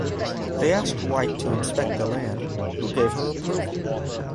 They asked White to inspect the land, who gave her approval.